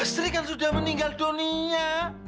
istri kan sudah meninggal dunia